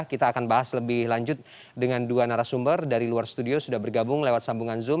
kita akan bahas lebih lanjut dengan dua narasumber dari luar studio sudah bergabung lewat sambungan zoom